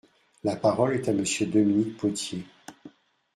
La parole est à Monsieur Dominique Potier.